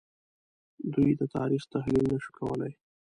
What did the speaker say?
دوی د تاریخ تحلیل نه شو کولای